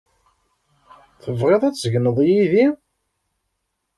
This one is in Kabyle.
Tebɣiḍ ad tegneḍ yid-i?